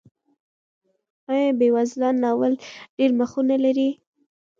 آیا بېوزلان ناول ډېر مخونه لري؟